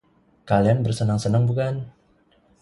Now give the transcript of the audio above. Kalian bersenang-senang, bukan?